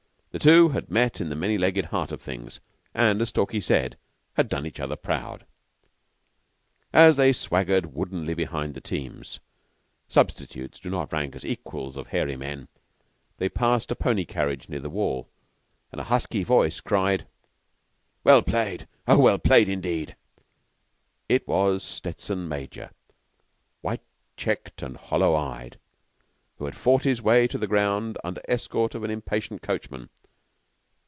The two had met in the many legged heart of things, and, as Stalky said, had "done each other proud." As they swaggered woodenly behind the teams substitutes do not rank as equals of hairy men they passed a pony carriage near the wall, and a husky voice cried, "Well played. Oh, played indeed!" It was Stettson major, white checked and hollow eyed, who had fought his way to the ground under escort of an impatient coachman.